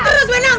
terus bu endang